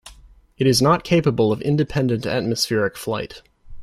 It is not capable of independent atmospheric flight.